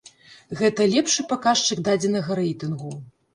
Гэта лепшы паказчык дадзенага рэйтынгу.